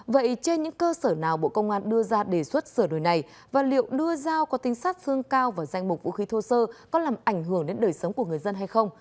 vậy trên những cơ sở nào bộ công an đưa ra đề xuất sửa đổi này và liệu đưa dao có tính sát thương cao vào danh mục vũ khí thô sơ có làm ảnh hưởng đến đời sống của người dân hay không